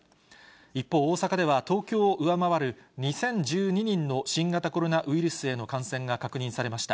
一方、大阪では、東京を上回る２０１２人の新型コロナウイルスへの感染が確認されました。